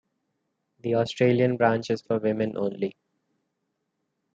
The Australian branch is for women only.